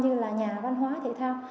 như là nhà văn hóa thể thao